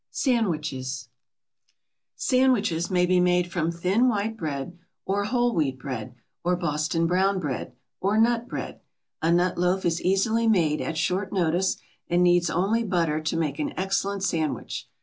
SANDWICHES Sandwiches may be made from thin white bread, or whole wheat bread, or Boston brown bread, or nut bread. A nut loaf is easily made at short notice, and needs only butter to make an excellent sandwich.